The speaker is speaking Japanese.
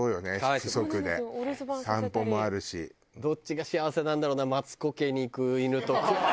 どっちが幸せなんだろうなマツコ家に行く犬と久保田家に行く。